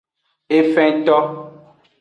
Efento.